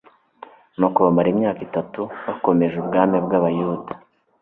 nuko bamara imyaka itatu bakomeje ubwami bw'abayuda